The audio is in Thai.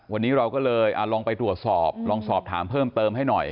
วันนี้เราก็เลยลองไปตรวจสอบลองสอบถามเพิ่มเติมให้หน่อย